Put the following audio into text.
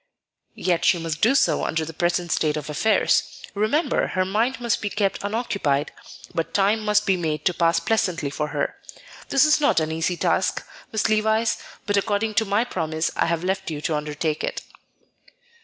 "Yet she must do so under the present state of affairs. Remember, her mind must be kept unoccupied, but time must be made to pass pleasantly for her. This is not an easy task, Miss Levice; but, according to my promise, I have left you to undertake it."